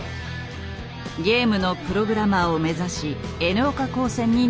ゲームのプログラマーを目指しＮ岡高専に入学。